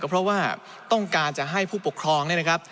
เพราะว่าต้องการจะให้ผู้ปกครองเนี่ยนะครับ